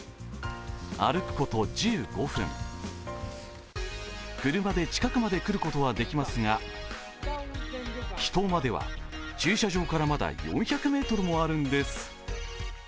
歩くこと１５分、車まで近くまで来ることはできますが秘湯までは駐車場からまだ４００ｍもあるんです。